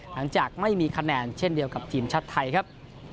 หลังจากไม่มีคะแนนเช่นเดียวกับทีมชาติไทยครับ